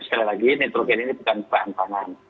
sekali lagi nitrogen ini bukan bahan pangan